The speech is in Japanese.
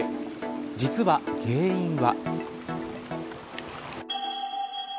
実は、原因は。